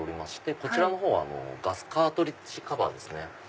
こちらのほうはガスカートリッジカバーですね。